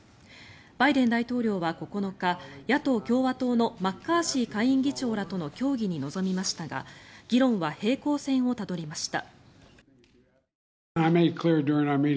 バイデン大統領は９日野党・共和党のマッカーシー下院議長らとの協議に臨みましたが議論は平行線をたどりました。